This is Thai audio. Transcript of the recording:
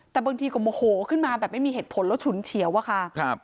แต่บางทีก็โมโหขึ้นมาแบบไม่มีเหตุผลแล้วฉุนเฉียวอะค่ะ